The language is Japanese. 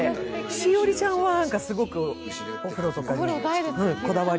栞里ちゃんはすごくお風呂とかにこだわりは？